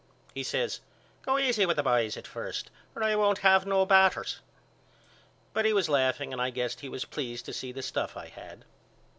He says Go easy with the boys at first or I won't have no batters. But he was laughing and I guess he was pleased to see the stuff I had.